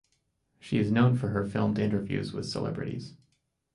She is known for her filmed interviews with celebrities.